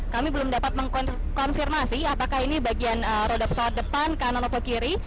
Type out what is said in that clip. kami belum dapat mengkonfirmasi apakah ini bagian roda pesawat depan kanan atau kiri